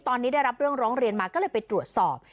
ตอนนี้ได้รับเรื่องร้องเรียนมาก็เลยไปตรวจสอบ